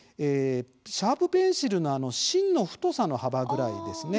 シャープペンシルの芯の太さの幅ぐらいですね。